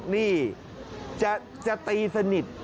นี่จะตีสนิท